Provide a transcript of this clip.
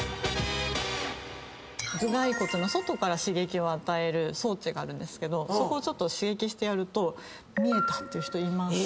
頭蓋骨の外から刺激を与える装置があるんですけどそこをちょっと刺激してやると「見えた」って言う人います。